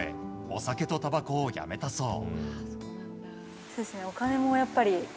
お酒とたばこをやめたそう。